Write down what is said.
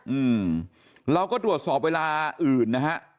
อืมเราสอบเวลาอื่นนะฮะ